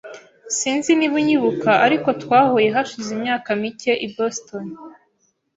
Sinzi niba unyibuka, ariko twahuye hashize imyaka mike i Boston.